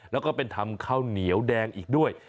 แล้วก็เป็นทำข้าวเหนียวแดงอีกด้วย